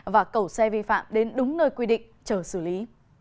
và cẩu xe vi phạm đến đúng nơi quy định chờ xử lý